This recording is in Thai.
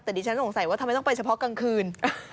แต่ดิฉันสงสัยว่าทำไมต้องไปเฉพาะกลางคืน